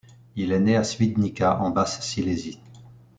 Il est né à Świdnica en Basse-Silésie.